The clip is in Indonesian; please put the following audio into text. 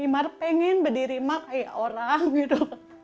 imar pengen berdiri mah kayak orang gitu